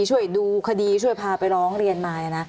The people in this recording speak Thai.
ช่วยดูคดีช่วยพาไปร้องเรียนมา